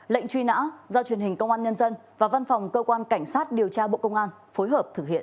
lệnh truy nã do truyền hình công an nhân dân và văn phòng cơ quan cảnh sát điều tra bộ công an phối hợp thực hiện